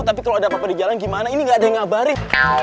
tapi kalau ada apa apa di jalan gimana ini gak ada yang ngabarin